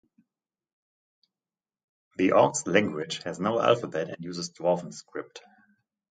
The orcs' language has no alphabet and uses Dwarven script.